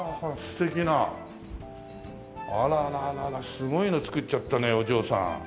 すごいの造っちゃったねお嬢さん。